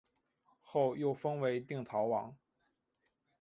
后又封为定陶王。